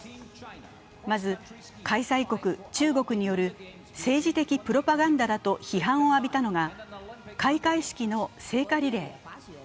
まず開催国・中国による政治的プロパガンダだと批判を浴びたのが開会式の聖火リレー。